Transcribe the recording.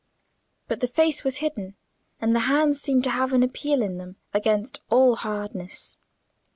But the face was hidden, and the hands seemed to have an appeal in them against all hardness.